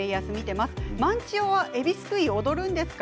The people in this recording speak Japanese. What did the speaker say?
万千代はえびすくいを踊るんですか？